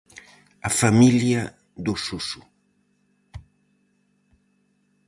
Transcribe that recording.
A familia do Suso.